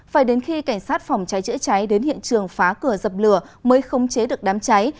phải đến khi cảnh sát phòng cháy chữa cháy đến hiện trường phá cửa dập lửa mới không chế được đám cháy